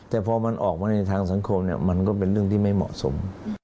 แต่พอมันออกมาในทางสังคมมันก็เป็นเรื่องที่ไม่เหมาะสม